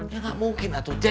ya gak mungkin atu c